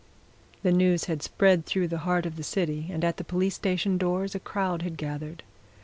The news had spread through the heart of the city, and at the police station doors a crowd had gathered.